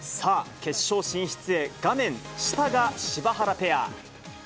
さあ、決勝進出へ画面下が柴原ペア。